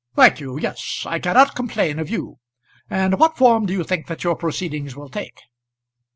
"Thank you; yes; I cannot complain of you. And what form do you think that your proceedings will take?"